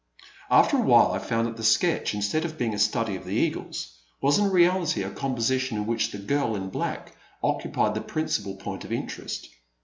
After a while I found that the sketch, instead A Pleasant Evening. 3 1 9 of being a study of the eagles, was in reality a composition in which the girl in black occupied the principal point of interest.